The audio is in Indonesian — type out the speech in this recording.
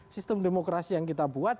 sistem demokrasi yang kita buat